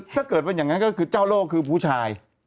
ถ้าเกิดเป็นอย่างนั้นก็คือเจ้าโลกคือผู้ชาย